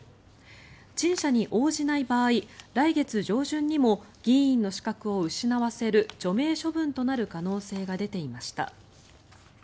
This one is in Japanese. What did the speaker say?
陳謝に応じない場合来月上旬にも議員の資格を失わせる除名処分となる可能性が出ていました。